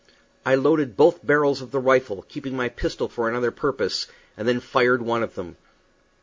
I loaded both barrels of the rifle, keeping my pistol for another purpose, and then fired one of them.